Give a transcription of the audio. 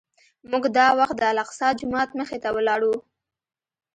موږ دا وخت د الاقصی جومات مخې ته ولاړ وو.